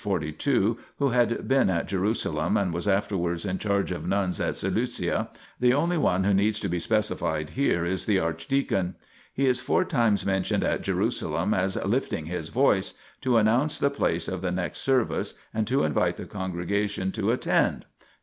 42), who had been at Jerusalem and was afterwards in charge of nuns at Seleucia, the only one who needs to be specified here is the arch deacon. He is four times mentioned at Jerusalem as " lifting his voice " to announce the place of the next service and to invite the congregation to attend (pp.